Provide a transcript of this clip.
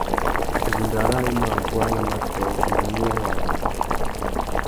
Idinga râā i mà guá nà matōh, manéya wa adôngô.